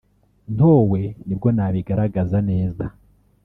ntowe nibwo nabigaragaza neza